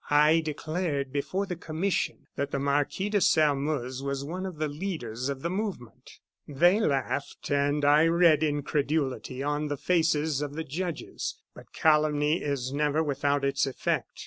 I declared before the commission that the Marquis de Sairmeuse was one of the leaders of the movement. They laughed; and I read incredulity on the faces of the judges. But calumny is never without its effect.